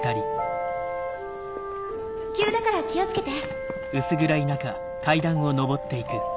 急だから気を付けて。